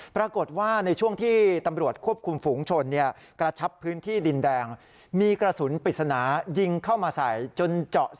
ปรากฏว่าในช่วงที่ตำรวจควบคุมฝูงชน